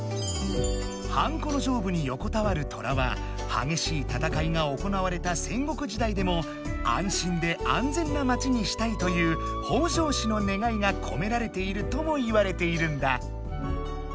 ハンコの上部に横たわるトラははげしいたたかいが行われた戦国時代でも安心で安全な町にしたいという北条氏の願いがこめられているともいわれているんだ。